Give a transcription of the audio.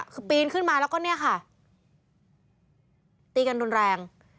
คือปีนขึ้นมาแล้วก็เนี่ยค่ะตีกันรุนแรง